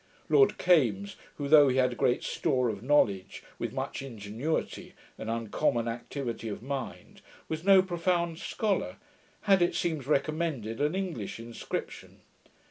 Lord Kames, who, though he had a great store of knowledge, with much ingenuity, and uncommon activity of mind, was no profound scholar, had it seems recommended an English inscription.